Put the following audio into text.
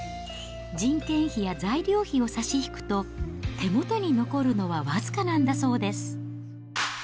人件費や材料費を差し引くと、手元に残るのは僅かなんだそうです。